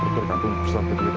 dari sosial musuh jawa timur